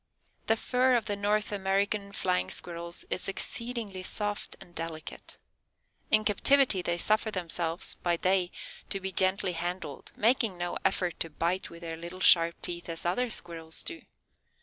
The fur of the North American Flying Squirrels is exceedingly soft and delicate. In captivity they suffer themselves, by day, to be gently handled, making no effort to bite with their little sharp teeth as other Squirrels do.